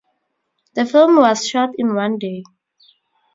The film was shot in one day.